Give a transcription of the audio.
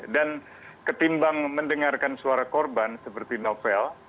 dan ketimbang mendengarkan suara korban seperti novel